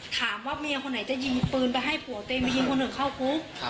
ถามว่าเมียคนไหนจะยิงปืนไปให้ผัวตัวเองไปยิงคนอื่นเข้าคุก